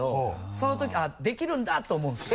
そのとき「あっできるんだ」と思うんですよ。